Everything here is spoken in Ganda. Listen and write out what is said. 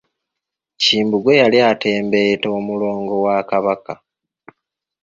Kimbugwe yali atembeeta omulongo wa kabaka.